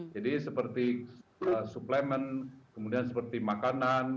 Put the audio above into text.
jadi seperti suplemen kemudian seperti makanan